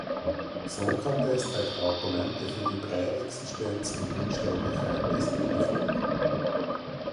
Sokrates trägt Argumente für die Präexistenz und Unsterblichkeit der Seele vor.